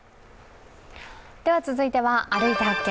では、続いては「歩いて発見！